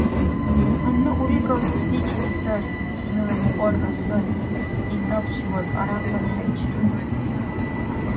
Гьанна урегал дус дикили сари, сунела мукьарара сайра, ил набчивад арякьунхӀейчирад.